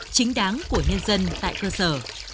chính đáng của nhân dân tại cơ sở